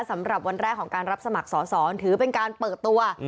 สำหรับวันแรกของการรับสมัครสอสอถือเป็นการเปิดตัว